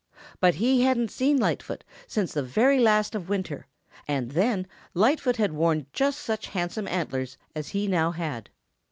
But he hadn't seen Lightfoot since the very last of winter, and then Lightfoot had worn just such handsome antlers as he now had.